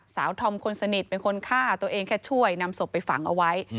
ธอมคนสนิทเป็นคนฆ่าตัวเองแค่ช่วยนำศพไปฝังเอาไว้